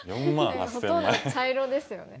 ほとんど茶色ですよね。